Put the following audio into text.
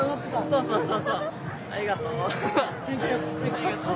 ありがとう。